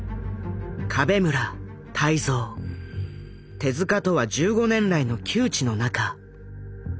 手とは１５年来の旧知の仲。